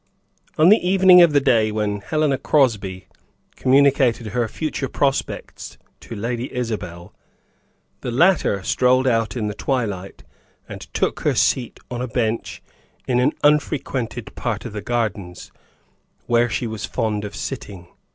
On the evening of the day when Helena Crosby communicated her future prospects to Lady Isabel, the latter strolled out in the twilight and took her seat on a bench in an unfrequented part of the gardens, where she was fond of sitting.